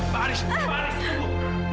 pak aris pak aris tunggu